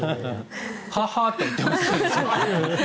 ははって言ってますけど。